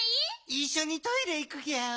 いっしょにトイレいくギャオ。